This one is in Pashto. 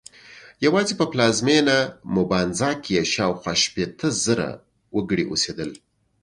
یوازې په پلازمېنه مبانزا کې یې شاوخوا شپېته زره وګړي اوسېدل.